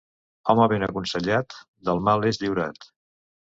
Home ben aconsellat del mal és lliurat.